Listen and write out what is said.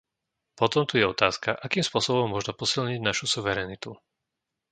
Potom tu je otázka, akým spôsobom možno posilniť našu suverenitu.